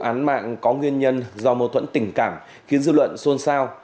án mạng có nguyên nhân do mâu thuẫn tình cảm khiến dư luận xôn xao